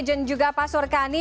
jun juga pak surkani